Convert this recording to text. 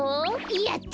やった！